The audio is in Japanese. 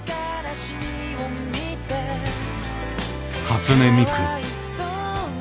初音ミク。